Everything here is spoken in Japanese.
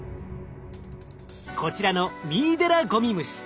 こちらのミイデラゴミムシ。